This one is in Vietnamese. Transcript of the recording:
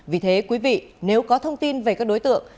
vì thế quý vị nếu có thông tin về các đối tượng